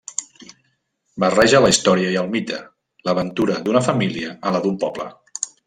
Barreja la història i el mite, l'aventura d'una família a la d'un poble.